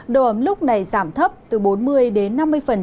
đồ ấm lúc này giảm thấp từ bốn mươi đến năm mươi